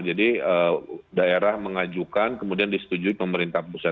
jadi daerah mengajukan kemudian disetujui pemerintah pusat